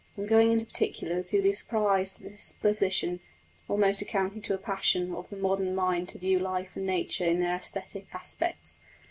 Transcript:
On going into particulars, he would be surprised at the disposition, almost amounting to a passion, of the modern mind to view life and nature in their æsthetic aspects.